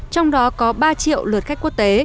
trong đó có ba triệu lượt khách quốc tế